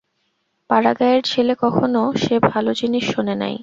পাড়াগাঁয়ের ছেলে কখনও সে ভালো জিনিস শোনে নাই।